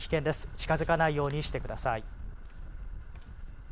近づかないようにしてください。